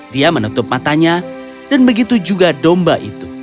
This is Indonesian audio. dia menutup matanya dan begitu juga domba itu